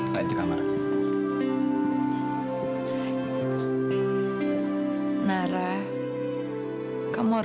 lain di kamar